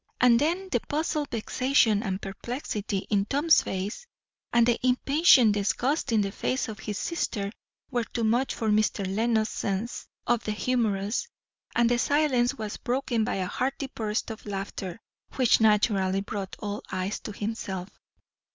And then, the puzzled vexation and perplexity in Tom's face, and the impatient disgust in the face of his sister, were too much for Mr. Lenox's sense of the humorous; and the silence was broken by a hearty burst of laughter, which naturally brought all eyes to himself.